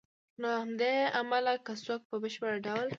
نو له همدې امله که څوک په بشپړ ډول